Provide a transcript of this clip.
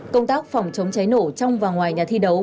công tác phòng chống cháy nổ trong và ngoài nhà thi đấu